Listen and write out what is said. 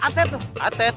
kayaknya masih atet tuh